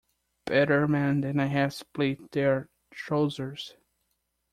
Better men than I have split their trousers.